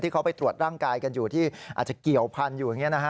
ที่เขาไปตรวจร่างกายกันอยู่ที่อาจจะเกี่ยวพันธุ์อยู่